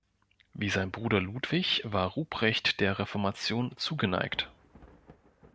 Wie sein Bruder Ludwig war Ruprecht der Reformation zugeneigt.